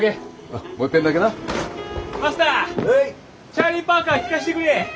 チャーリー・パーカー聴かせてくれえ。